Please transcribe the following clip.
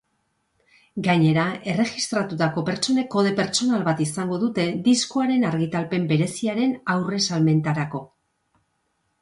Gainera, erregistratutako pertsonek kode pertsonala bat izango dute diskoaren argitalpen bereziaren aurre-salmentarako.